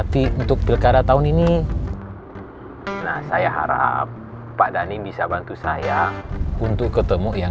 nanti untuk pilkara tahun ini nah saya harap pak dhani bisa bantu saya untuk ketemu yang